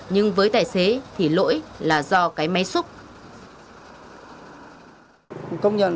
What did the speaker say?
nhưng với tài xế thì lỗi là do cái máy xúc